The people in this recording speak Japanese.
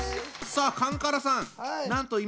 さあカンカラさん